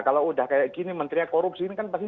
kalau udah kayak gini menterinya korupsi ini kan pasti